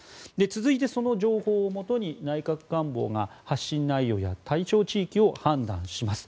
続いてその情報をもとに内閣官房が発信内容や対象地域を判断します。